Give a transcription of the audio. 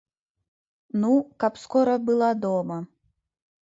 Ну, каб скора была дома.